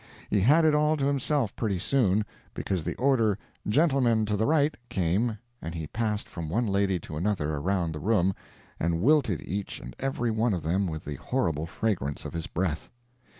He had it all to himself pretty soon; because the order "gentlemen to the right" came, and he passed from one lady to another around the room, and wilted each and every one of them with the horrible fragrance of his breath.